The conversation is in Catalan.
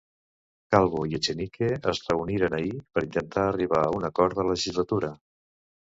Calvo i Echenique es reuniren ahir per intentar arribar a un acord de legislatura.